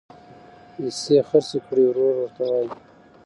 حصي خرڅي کړي ورور ورته وایي